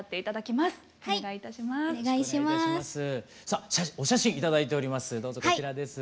さあお写真頂いております。